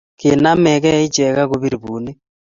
kinamgei ichek agobir bunik